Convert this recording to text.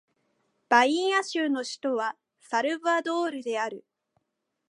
バイーア州の州都はサルヴァドールである